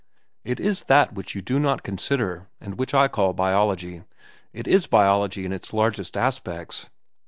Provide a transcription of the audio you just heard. It is that which you do not consider, and which I call biology. It is biology in its largest aspects.